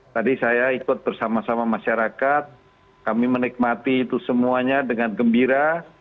tadi saya ikut bersama sama masyarakat kami menikmati itu semuanya dengan gembira